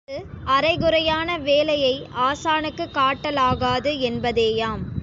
அது, அரைகுறையான வேலையை ஆசானுக்குக் காட்டலாகாது என்பதேயாம்.